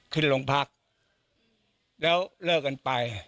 ขึ้นโรงพักแล้วเลิกกันไป